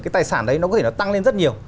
cái tài sản đấy nó có thể nó tăng lên rất nhiều